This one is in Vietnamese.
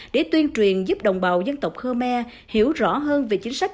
để tuyên truyền giúp đồng bào dân tộc khmer hiểu rõ hơn về chính sách